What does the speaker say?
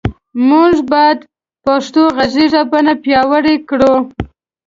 مونږ باد پښتو غږیزه بڼه پیاوړی کړو